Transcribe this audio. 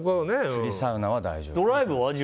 釣り、サウナは大丈夫です。